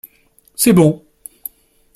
C’est bon.